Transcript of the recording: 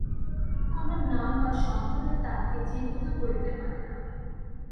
কোন নাম বা সম্প্রদায় তাঁহাকে চিহ্নিত করিতে পারে না।